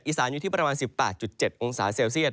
อีสานอยู่ที่ประมาณ๑๘๗องศาเซลเซียต